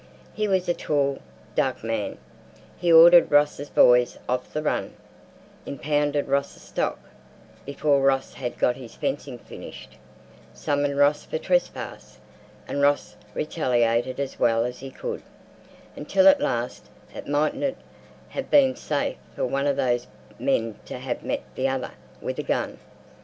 He was a tall, dark man. He ordered Ross's boys off the run, impounded Ross's stock—before Ross had got his fencing finished, summoned Ross for trespass, and Ross retaliated as well as he could, until at last it mightn't have been safe for one of those men to have met the other with a gun.